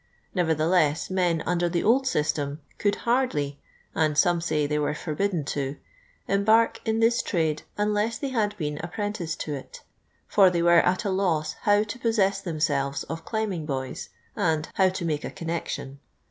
Nevertheless, men under the old system could hardly (and some say they were forbidden to) embark in this trade unless they had been apprenticed to it; for they were at a loss how to possess themselves of climbing boys, and how to make a connection.